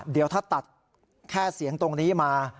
เดี๋ยวถ้าตัดแค่เสียงตรงนี้มา